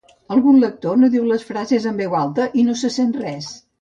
Algun lector no diu les frases amb veu alta i no se sent res